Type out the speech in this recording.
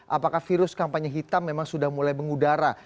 apakah virus kampanye hitam memang sudah mulai mengudara